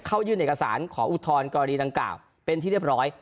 ยื่นเอกสารขออุทธรณกรณีดังกล่าวเป็นที่เรียบร้อย